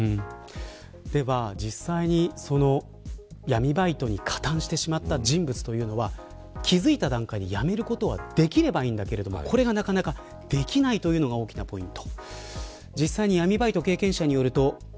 では、実際に闇バイトに加担してしまった人物というのは気付いた段階でやめることができればいいんだけれどもこれが、なかなかできないというのが大きなポイント。